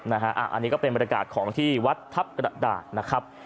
อันนี้ก็เป็นบรรยากาศของที่วัดทัพกระดาษนะครับ